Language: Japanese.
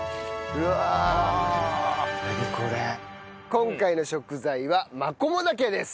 今回の食材はマコモダケです。